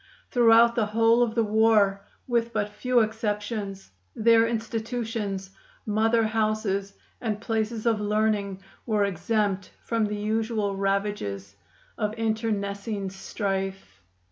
Throughout the whole of the war, with but few exceptions, their institutions, mother houses and places of learning were exempt from the usual ravages of internecine strife.